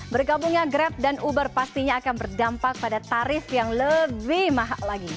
bergabungnya grab dan uber pastinya akan berdampak pada tarif yang lebih mahal lagi